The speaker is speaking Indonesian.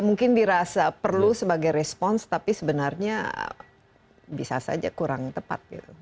mungkin dirasa perlu sebagai respons tapi sebenarnya bisa saja kurang tepat gitu